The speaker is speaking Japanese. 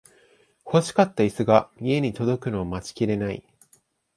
欲しかったイスが家に届くのを待ちきれない